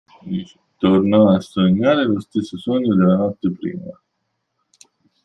Tornò a sognare lo stesso sogno della notte prima.